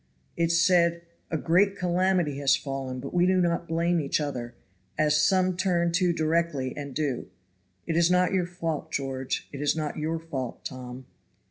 It said: "A great calamity has fallen; but we do not blame each other, as some turn to directly and do. It is not your fault, George. It is not your fault, Tom."